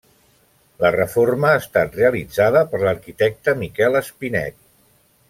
La reforma ha estat realitzada per l'arquitecte Miquel Espinet.